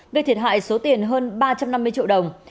gây thiệt hại số tiền hơn ba trăm năm mươi triệu đồng